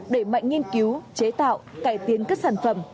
đẩy mạnh nghiên cứu chế tạo cải tiến các sản phẩm